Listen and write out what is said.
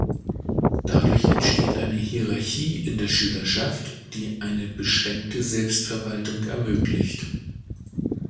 Dadurch entsteht eine Hierarchie in der Schülerschaft, die eine beschränkte Selbstverwaltung ermöglicht.